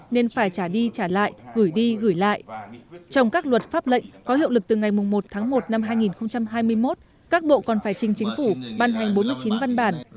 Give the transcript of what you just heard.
trong các luật pháp lệnh có hiệu lực từ ngày một tháng một năm hai nghìn hai mươi một các bộ còn phải trình chính phủ ban hành bốn mươi chín văn bản